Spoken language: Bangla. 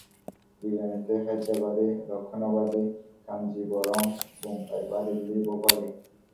বিরিয়ানিতে হায়দ্রাবাদি, লক্ষনৌবাদি, কাঞ্জিবরম, বোম্বাই বা দিল্লী, ভোপালী।